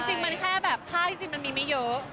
จริงมันแค่แบบค่าจริงมันมีไม่เยอะ